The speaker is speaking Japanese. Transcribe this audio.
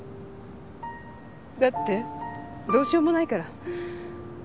だってどうしようもないから。